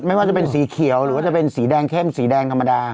ไม่ว่าจะเป็นสีเขียวหรือว่าจะเป็นสีแดงเข้มสีแดงธรรมดา